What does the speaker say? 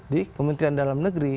di kementerian dalam negeri